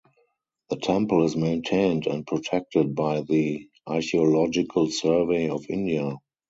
The temple is maintained and protected by the Archaeological Survey of India.